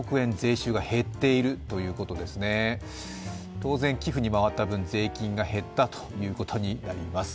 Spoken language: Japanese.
当然、寄付に回った分、税金が減ったということになります。